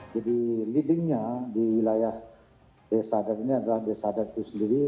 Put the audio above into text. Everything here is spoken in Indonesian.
jadi leadingnya di wilayah desa adat ini adalah desa adat itu sendiri